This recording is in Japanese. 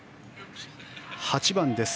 ８番です。